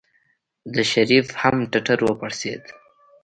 د شريف هم ټټر وپړسېد.